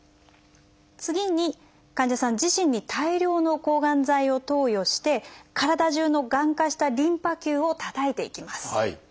次に患者さん自身に大量の抗がん剤を投与して体じゅうのがん化したリンパ球をたたいていきます。